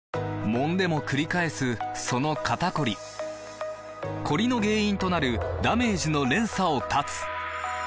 もんでもくり返すその肩こりコリの原因となるダメージの連鎖を断つ！